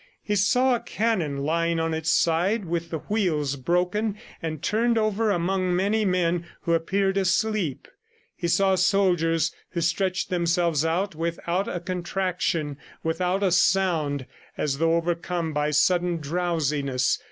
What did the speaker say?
He saw a cannon lying on its side with the wheels broken and turned over among many men who appeared asleep; he saw soldiers who stretched themselves out without a contraction, without a sound, as though overcome by sudden drowsiness.